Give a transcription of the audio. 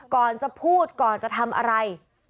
ก่อนจะพูดก่อนจะทำอะไร